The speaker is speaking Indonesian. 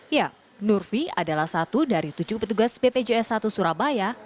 ya nurfi adalah satu dari tujuh petugas bpjs satu surabaya